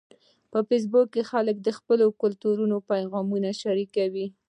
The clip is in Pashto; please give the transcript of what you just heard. په فېسبوک کې خلک د خپلو کلتورونو پیغامونه شریکوي